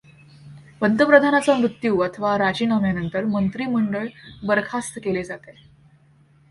पंतप्रधानाचा मृत्यू अथवा राजीनाम्यानंतर मंत्रीमंडळ बरखास्त केले जाते.